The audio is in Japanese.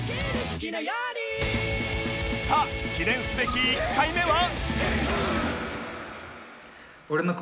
さあ記念すべき１回目は